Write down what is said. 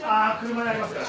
車にありますから。